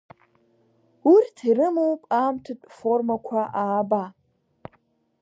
Урҭ ирымоуп аамҭатә формақәа ааба…